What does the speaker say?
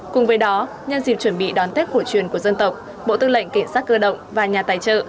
cùng với đó nhân dịp chuẩn bị đón tết cổ truyền của dân tộc bộ tư lệnh cảnh sát cơ động và nhà tài trợ